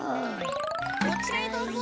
こちらへどうぞ。